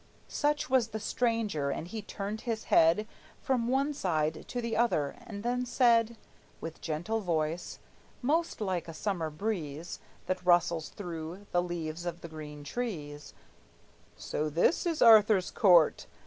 Such was the stranger, and he turned his head From one side to the other, and then said, With gentle voice, most like a summer breeze That rustles through the leaves of the green trees: "So this is Arthur's court!